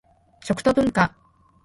食と文化